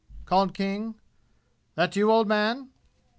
called King. "That you, old man?"